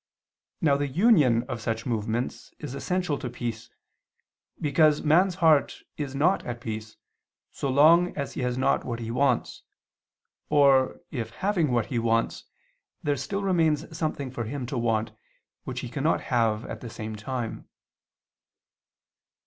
Now the union of such movements is essential to peace, because man's heart is not at peace, so long as he has not what he wants, or if, having what he wants, there still remains something for him to want, and which he cannot have at the same time.